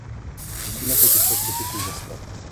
Musíme se těchto kritiků zastat.